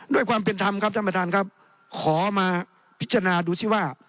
ด้วยความเป็นธรรมครับท่านประธานครับขอมาพิจารณาดูซิว่า